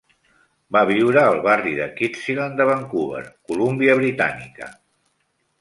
Va viure al barri de Kitsilano de Vancouver, Colúmbia britànica.